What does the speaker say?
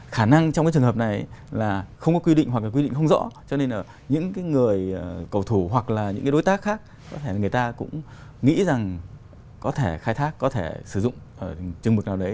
khả năng trong cái trường hợp này là không có quy định hoặc là quy định không rõ cho nên là những người cầu thủ hoặc là những cái đối tác khác có thể người ta cũng nghĩ rằng có thể khai thác có thể sử dụng chừng mực nào đấy